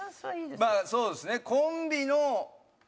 まあそうですね。